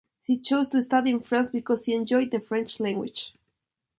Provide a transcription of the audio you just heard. She chose to study in France because she enjoyed the French language.